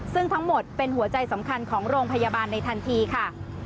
ซึ่งทั้งหมดเป็นหัวใจสำคัญของโรงพยาบาลในทันทีค่ะ